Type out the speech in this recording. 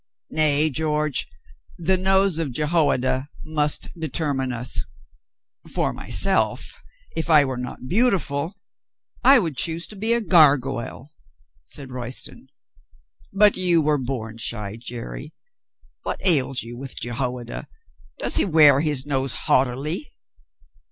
Nay, George, the nose of Jehoiada must determine us." "For myself, if I were not beautiful, I would 69 70 COLONEL GREATHEART choose to be a gargoyle," said Royston. "But you were born shy, Jerry. What ails you with Jehoiada? Does he wear his nose haughtily